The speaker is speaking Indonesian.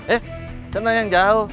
eh sana yang jauh